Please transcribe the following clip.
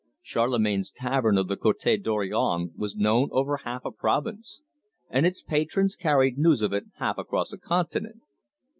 Charlemagne's tavern of the Cote Dorion was known over half a province, and its patrons carried news of it half across a continent.